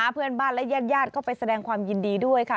เพื่อนบ้านและญาติก็ไปแสดงความยินดีด้วยค่ะ